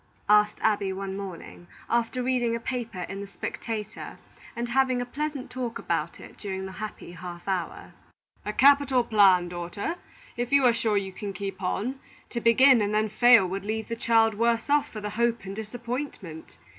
asked Abby, one morning, after reading a paper in the Spectator, and having a pleasant talk about it during the happy half hour. "A capital plan, daughter, if you are sure you can keep on. To begin and then fail would leave the child worse off for the hope and disappointment.